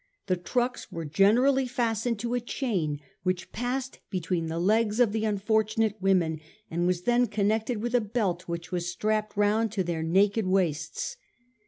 The trucks were generally fastened to a chain which passed between the legs of the unfortunate women, and was then connected with a belt which was strapped round their naked waists.